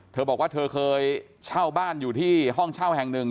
เธอบอกว่าเธอเคยเช่าบ้านอยู่ที่ห้องเช่าแห่งหนึ่ง